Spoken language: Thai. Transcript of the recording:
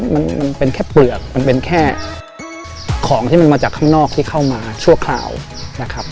มันมันเป็นแค่เปลือกมันเป็นแค่ของที่มันมาจากข้างนอกที่เข้ามาชั่วคราวนะครับ